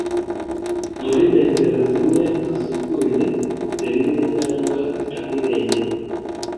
Muri metero zimwe zisukuye, selile cyangwa ahirengeye